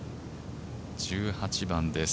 １８番です。